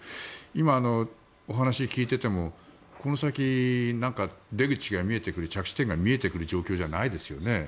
今、お話を聞いててもこの先、出口が見えてくる着地点が見えてくる状況ではないですよね。